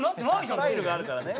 スタイルがあるからね。